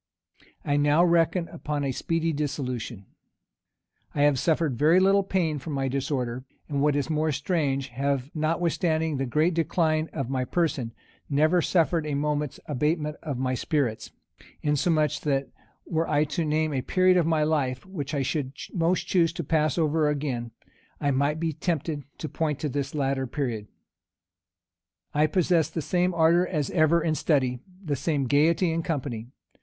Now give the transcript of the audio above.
I now reckon upon a speedy dissolution. I have suffered very little pain from my disorder; and what is more strange, have, notwithstanding the great decline of my person, never suffered a moment's abatement of my spirits; insomuch, that were I to name a period of my life which I should most choose to pass over again, I might be tempted to point to this later period. I possess the same ardor as ever in study, and the same gayety in company.